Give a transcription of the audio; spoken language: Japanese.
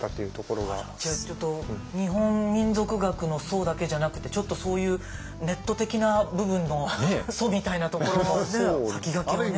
じゃあちょっと日本民俗学の祖だけじゃなくてちょっとそういうネット的な部分の祖みたいなところの先駆けはね。